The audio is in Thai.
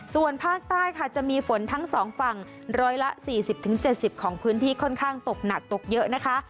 ส่วนภาคใต้ค่ะจะมีฝนทั้ง๒ฝั่ง๑๔๐๗๐ของพื้นที่ค่อนข้างตกหนักตกเยอะนะคะ